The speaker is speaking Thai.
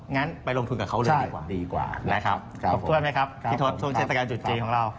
งั้นไปลงทุนกับเขาเลยดีกว่านะครับครบถ้วนไหมครับพี่ทศช่วงเทศกาลจุดจีนของเรา